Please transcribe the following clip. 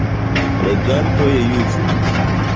Legantoj juĝu.